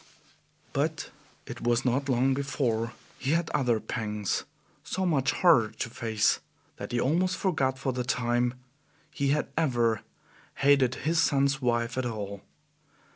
But it was not long before he had other pangs, so much harder to face that he almost forgot, for the time, he had ever hated his son's wife at all.